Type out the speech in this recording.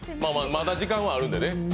まだ時間はあるんでね。